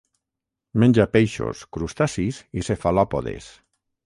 Menja peixos, crustacis i cefalòpodes.